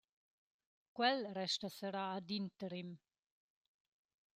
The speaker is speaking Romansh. Quel resta serrà ad interim.